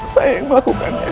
saya yang melakukannya